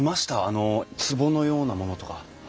あのつぼのようなものとか。